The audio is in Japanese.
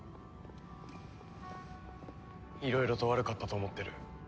いろいろと悪かったと思ってる。